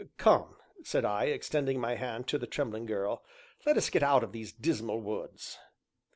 "Come," said I, extending my hand to the trembling girl, "let us get out of these dismal woods."